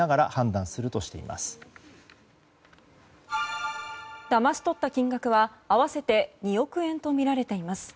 だまし取った金額は合わせて２億円とみられています。